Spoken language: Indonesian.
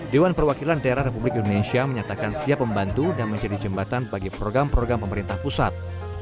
dewan perwakilan daerah republik indonesia menyatakan siap membantu dan menjadi jembatan bagi program program pemerintah pusat